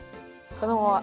このまま。